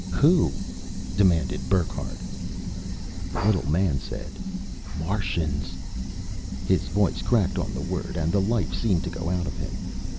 "Who?" demanded Burckhardt. The little man said, "Martians!" His voice cracked on the word and the life seemed to go out of him.